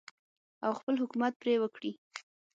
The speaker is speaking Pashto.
او خپل حکومت پرې وکړي.